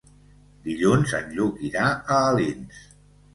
Dilluns en Lluc irà a Alins.